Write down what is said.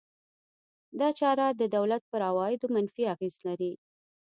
دا چاره د دولت پر عوایدو منفي اغېز لري.